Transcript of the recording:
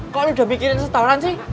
kok lu udah bikinin setoran sih